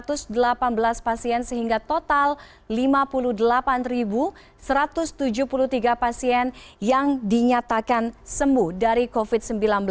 satu ratus delapan belas pasien sehingga total lima puluh delapan satu ratus tujuh puluh tiga pasien yang dinyatakan sembuh dari covid sembilan belas